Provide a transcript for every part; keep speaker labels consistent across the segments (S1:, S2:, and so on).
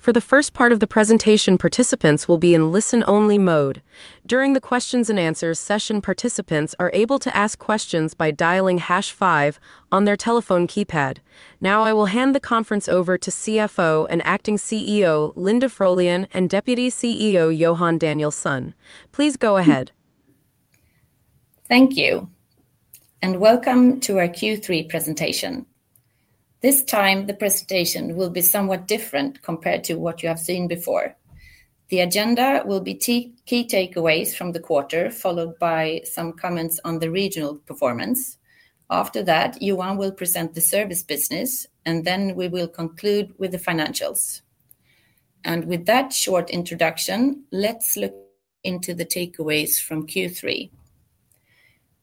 S1: For the first part of the presentation, participants will be in listen-only mode. During the questions and answers session, participants are able to ask questions by dialing hash five on their telephone keypad. Now, I will hand the conference over to CFO and Acting CEO Linda Frölén and Deputy CEO Johan Danielsson. Please go ahead.
S2: Thank you, and welcome to our Q3 presentation. This time, the presentation will be somewhat different compared to what you have seen before. The agenda will be key takeaways from the quarter, followed by some comments on the regional performance. After that, Johan will present the service business, and then we will conclude with the financials. With that short introduction, let's look into the takeaways from Q3.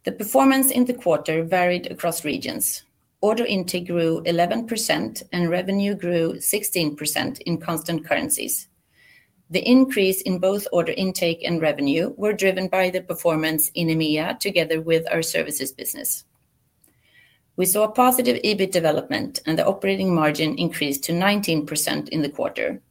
S2: The performance in the quarter varied across regions. Order intake grew 11%, and revenue grew 16% in constant currencies. The increase in both order intake and revenue was driven by the performance in EMEA, together with our services business. We saw positive EBIT development, and the operating margin increased to 19% in the quarter.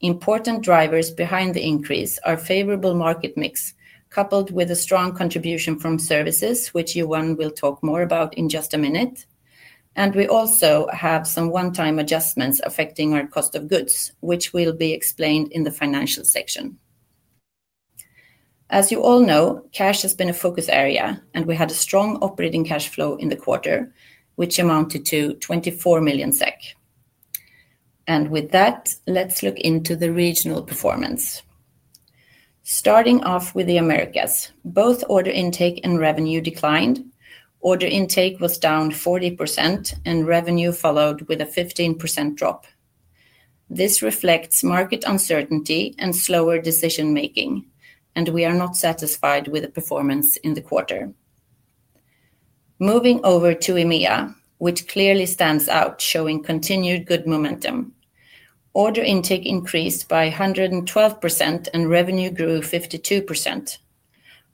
S2: Important drivers behind the increase are a favorable market mix, coupled with a strong contribution from services, which Johan will talk more about in just a minute. We also have some one-time adjustments affecting our cost of goods, which will be explained in the financials section. As you all know, cash has been a focus area, and we had a strong operating cash flow in the quarter, which amounted to 24 million SEK. With that, let's look into the regional performance. Starting off with the Americas, both order intake and revenue declined. Order intake was down 40%, and revenue followed with a 15% drop. This reflects market uncertainty and slower decision-making, and we are not satisfied with the performance in the quarter. Moving over to EMEA, which clearly stands out, showing continued good momentum. Order intake increased by 112%, and revenue grew 52%.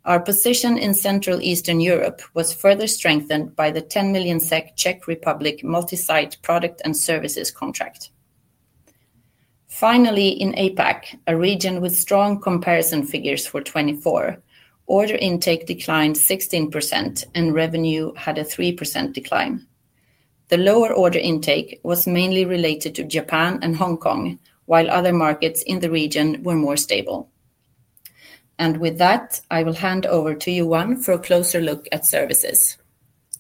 S2: Our position in Central Eastern Europe was further strengthened by the 10 million SEK Czech Republic multi-site product and services contract. Finally, in APAC, a region with strong comparison figures for 2024, order intake declined 16%, and revenue had a 3% decline. The lower order intake was mainly related to Japan and Hong Kong, while other markets in the region were more stable. With that, I will hand over to Johan for a closer look at services.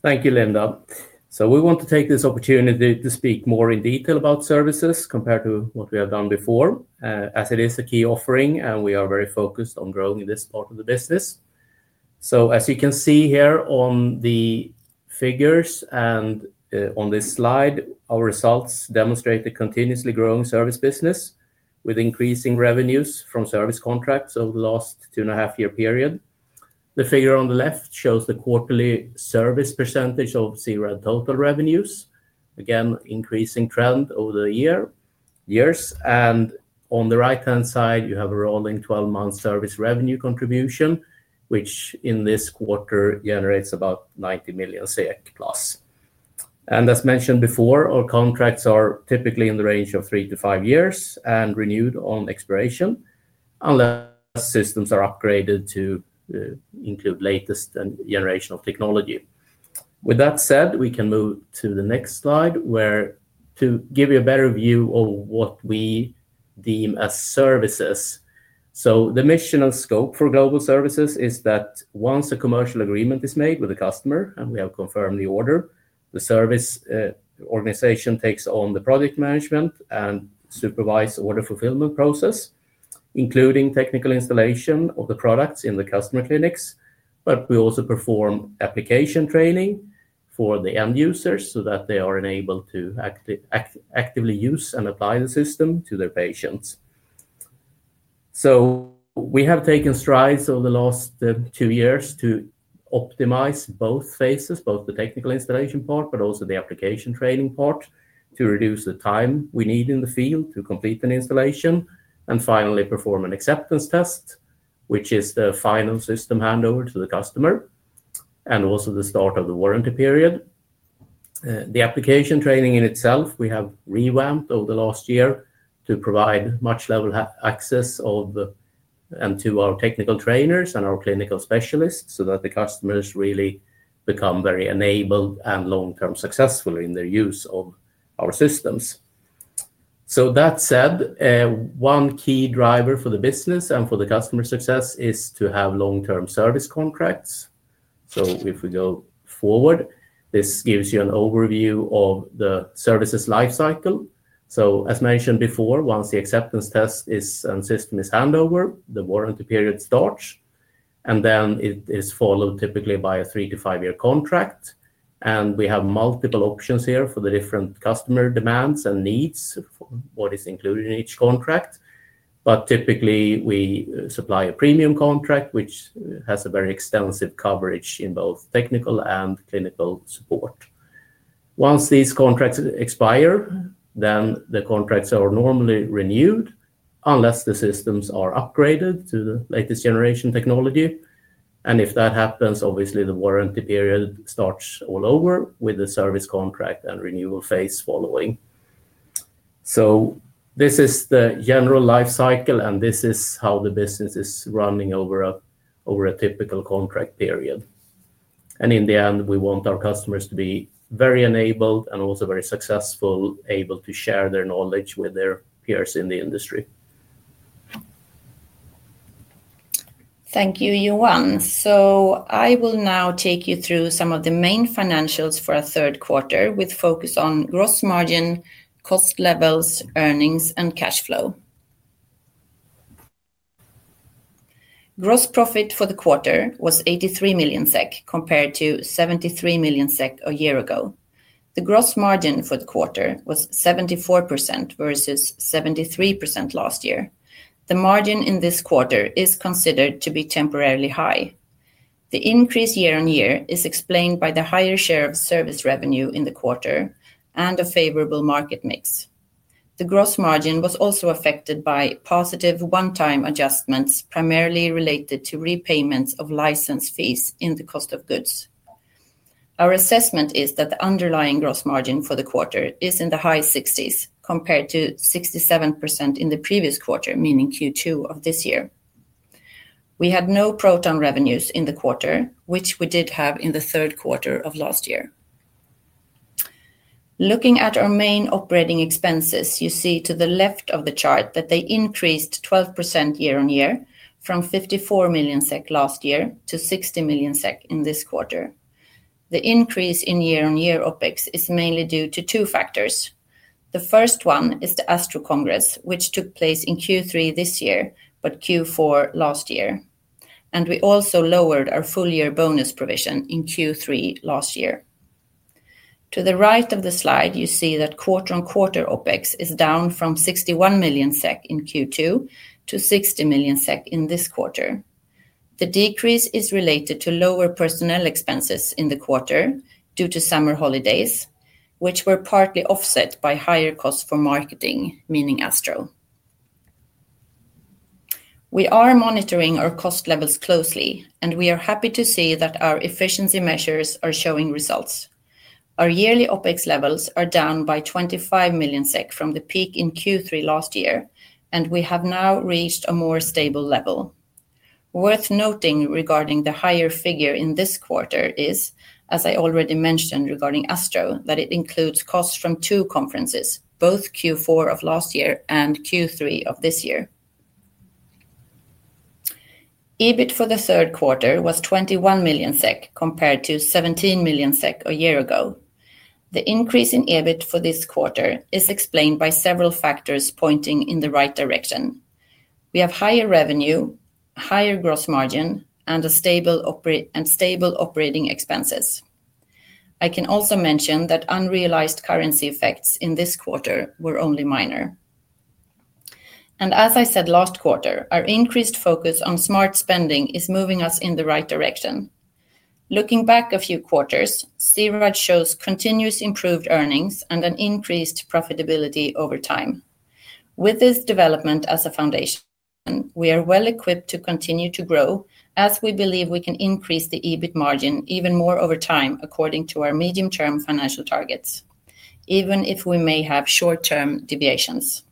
S3: Thank you, Linda. We want to take this opportunity to speak more in detail about services compared to what we have done before, as it is a key offering, and we are very focused on growing this part of the business. As you can see here on the figures and on this slide, our results demonstrate the continuously growing service business, with increasing revenues from service contracts over the last two-and-a-half-year period. The figure on the left shows the quarterly service percentage of C-RAD total revenues, again, an increasing trend over the years. On the right-hand side, you have a rolling 12-month service revenue contribution, which in this quarter generates about 90+ million SEK. As mentioned before, our contracts are typically in the range of three to five years and renewed on expiration, unless systems are upgraded to include the latest generation of technology. With that said, we can move to the next slide, where to give you a better view of what we deem as services. The mission and scope for global services is that once a commercial agreement is made with the customer, and we have confirmed the order, the service organization takes on the project management and supervised order fulfillment process, including technical installation of the products in the customer clinics. We also perform application training for the end users so that they are enabled to actively use and apply the system to their patients. We have taken strides over the last two years to optimize both phases, both the technical installation part, but also the application training part, to reduce the time we need in the field to complete an installation, and finally perform an acceptance test, which is the final system handover to the customer, and also the start of the warranty period. The application training in itself, we have revamped over the last year to provide much level access to our technical trainers and our clinical specialists so that the customers really become very enabled and long-term successful in their use of our systems. That said, one key driver for the business and for the customer success is to have long-term service contracts. If we go forward, this gives you an overview of the services lifecycle. As mentioned before, once the acceptance test and system is handed over, the warranty period starts, and then it is followed typically by a three to five-year contract. We have multiple options here for the different customer demands and needs, what is included in each contract. Typically, we supply a premium contract, which has a very extensive coverage in both technical and clinical support. Once these contracts expire, the contracts are normally renewed unless the systems are upgraded to the latest generation technology. If that happens, obviously the warranty period starts all over with the service contract and renewal phase following. This is the general lifecycle, and this is how the business is running over a typical contract period. In the end, we want our customers to be very enabled and also very successful, able to share their knowledge with their peers in the industry.
S2: Thank you, Johan. I will now take you through some of the main financials for the third quarter, with focus on gross margin, cost levels, earnings, and cash flow. Gross profit for the quarter was 83 million SEK compared to 73 million SEK a year ago. The gross margin for the quarter was 74% versus 73% last year. The margin in this quarter is considered to be temporarily high. The increase year-on-year is explained by the higher share of service revenue in the quarter and a favorable market mix. The gross margin was also affected by positive one-time adjustments, primarily related to repayments of license fees in the cost of goods. Our assessment is that the underlying gross margin for the quarter is in the high 60%s, compared to 67% in the previous quarter, meaning Q2 of this year. We had no proton revenues in the quarter, which we did have in the third quarter of last year. Looking at our main operating expenses, you see to the left of the chart that they increased 12% year-on-year, from 54 million SEK last year to 60 million SEK in this quarter. The increase in year-on-year OpEx is mainly due to two factors. The first one is the ASTRO Congress, which took place in Q3 this year, but Q4 last year. We also lowered our full-year bonus provision in Q3 last year. To the right of the slide, you see that quarter-on-quarter OpEx is down from 61 million SEK in Q2 to 60 million SEK in this quarter. The decrease is related to lower personnel expenses in the quarter due to summer holidays, which were partly offset by higher costs for marketing, meaning ASTRO. We are monitoring our cost levels closely, and we are happy to see that our efficiency measures are showing results. Our yearly OpEx levels are down by 25 million SEK from the peak in Q3 last year, and we have now reached a more stable level. Worth noting regarding the higher figure in this quarter is, as I already mentioned regarding ASTRO, that it includes costs from two conferences, both Q4 of last year and Q3 of this year. EBIT for the third quarter was 21 million SEK compared to 17 million SEK a year ago. The increase in EBIT for this quarter is explained by several factors pointing in the right direction. We have higher revenue, higher gross margin, and stable operating expenses. I can also mention that unrealized currency effects in this quarter were only minor. As I said last quarter, our increased focus on smart spending is moving us in the right direction. Looking back a few quarters, C-RAD shows continuous improved earnings and an increased profitability over time. With this development as a foundation, we are well equipped to continue to grow, as we believe we can increase the EBIT margin even more over time according to our medium-term financial targets, even if we may have short-term deviations.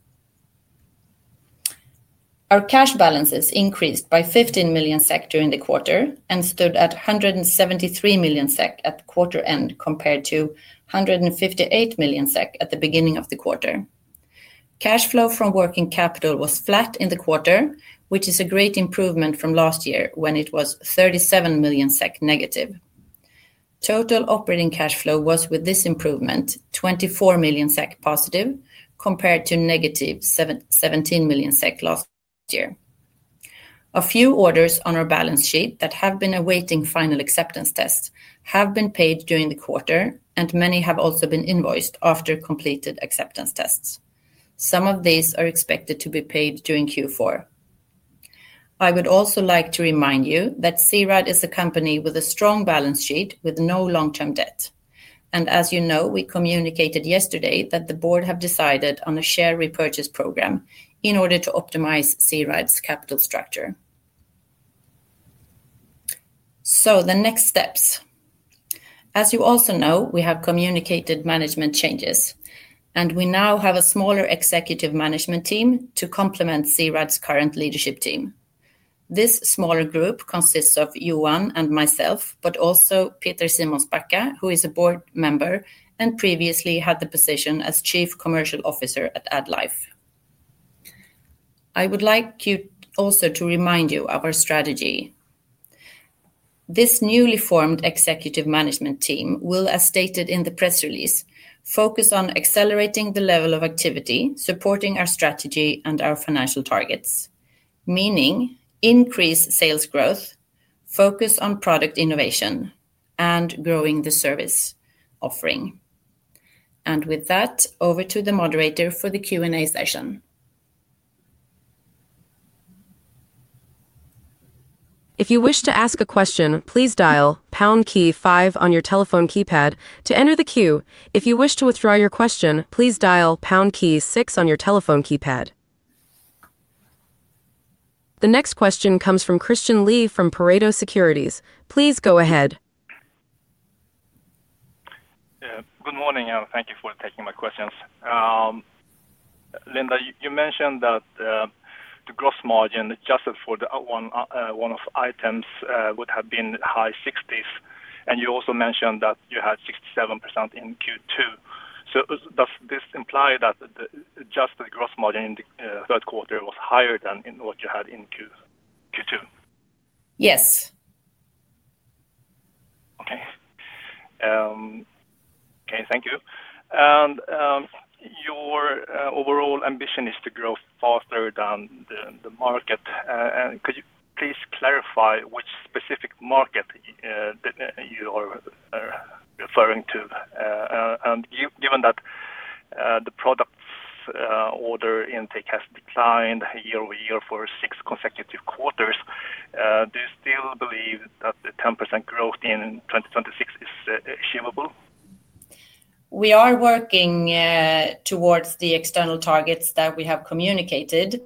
S2: Our cash balances increased by 15 million SEK during the quarter and stood at 173 million SEK at quarter end compared to 158 million SEK at the beginning of the quarter. Cash flow from working capital was flat in the quarter, which is a great improvement from last year when it was 37 million SEK negative. Total operating cash flow was, with this improvement, 24+ million SEK compared to -17 million SEK last year. A few orders on our balance sheet that have been awaiting final acceptance tests have been paid during the quarter, and many have also been invoiced after completed acceptance tests. Some of these are expected to be paid during Q4. I would also like to remind you that C-RAD is a company with a strong balance sheet with no long-term debt. As you know, we communicated yesterday that the board has decided on a share repurchase program in order to optimize C-RAD's capital structure. The next steps. As you also know, we have communicated management changes, and we now have a smaller executive management team to complement C-RAD's current leadership team. This smaller group consists of Johan and myself, but also Peter Simonsbakker, who is a board member and previously had the position as Chief Commercial Officer at AdLife. I would like to also remind you of our strategy. This newly formed executive management team will, as stated in the press release, focus on accelerating the level of activity supporting our strategy and our financial targets, meaning increased sales growth, focus on product innovation, and growing the service offering. With that, over to the moderator for the Q&A session.
S1: If you wish to ask a question, please dial pound key five on your telephone keypad to enter the queue. If you wish to withdraw your question, please dial pound key side on your telephone keypad. The next question comes from Christian Lee from Pareto Securities. Please go ahead.
S4: Good morning, and thank you for taking my questions. Linda, you mentioned that the gross margin adjusted for one of the items would have been high 60s, and you also mentioned that you had 67% in Q2. Does this imply that the adjusted gross margin in the third quarter was higher than what you had in Q2?
S2: Yes.
S4: Okay, thank you. Your overall ambition is to grow faster than the market. Could you please clarify which specific market you are referring to? Given that the product's order intake has declined year-over-year for six consecutive quarters, do you still believe that the 10% growth in 2026 is achievable?
S2: We are working towards the external targets that we have communicated.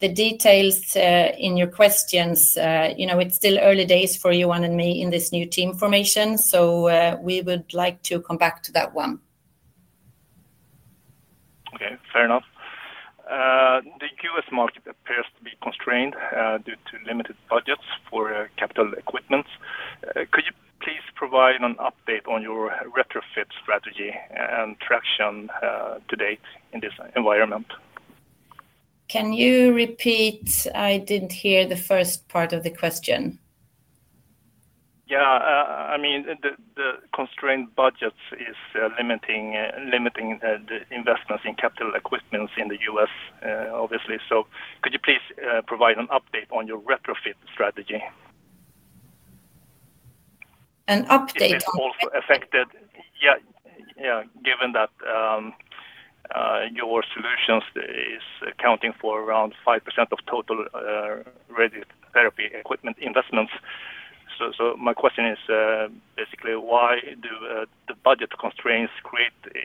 S2: The details in your questions, you know, it's still early days for Johan and me in this new team formation, so we would like to come back to that one.
S4: Okay, fair enough. The U.S. market appears to be constrained due to limited budgets for capital equipment. Could you please provide an update on your retrofit strategy and traction to date in this environment?
S2: Can you repeat? I didn't hear the first part of the question.
S4: Yeah, I mean, the constrained budgets are limiting the investments in capital equipment in the U.S., obviously. Could you please provide an update on your retrofit strategy?
S2: progress of the recruitment process.
S4: Given that your solution is accounting for around 5% of total radiotherapy equipment investments, my question is basically why do the budget constraints create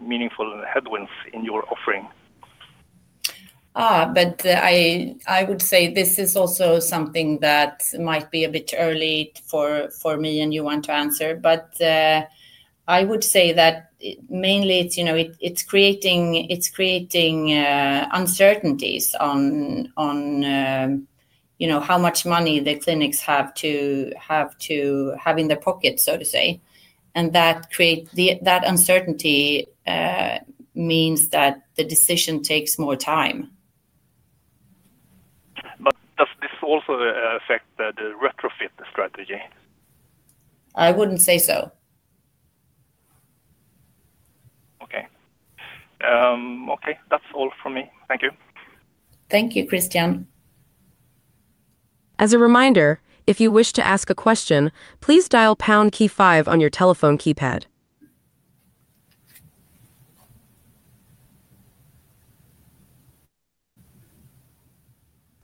S4: meaningful headwinds in your offering?
S2: I would say this is also something that might be a bit early for me and Johan to answer. I would say that mainly it's creating uncertainties on how much money the clinics have to have in their pockets, so to say. That uncertainty means that the decision takes more time.
S4: Does this also affect the retrofit strategy?
S2: I wouldn't say so.
S4: Okay. Okay, that's all from me. Thank you.
S2: Thank you, Christian.
S1: As a reminder, if you wish to ask a question, please dial pound key five on your telephone keypad.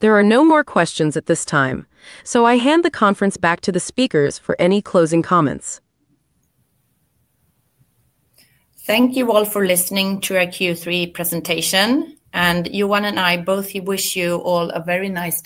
S1: There are no more questions at this time. I hand the conference back to the speakers for any closing comments.
S2: Thank you all for listening to our Q3 presentation, and Johan and I both wish you all a very nice day.